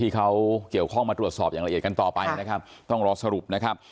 ที่เขาเกี่ยวข้องมาตรวจสอบอย่างละเอียดกันต่อไปนะครับต้องรอสรุปนะครับ